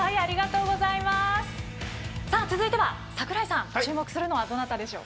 続いては、櫻井さん注目するのはどなたでしょう。